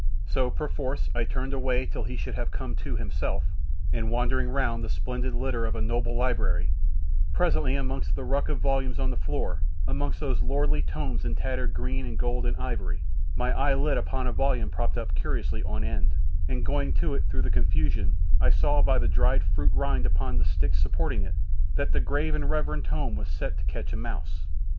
So perforce I turned away till he should have come to himself, and wandering round the splendid litter of a noble library, presently amongst the ruck of volumes on the floor, amongst those lordly tomes in tattered green and gold, and ivory, my eye lit upon a volume propped up curiously on end, and going to it through the confusion I saw by the dried fruit rind upon the sticks supporting it, that the grave and reverend tome was set to catch a mouse!